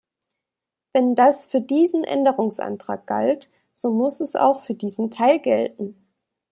Wenn das für diesen Änderungsantrag galt, so muss es auch für diesen Teil gelten.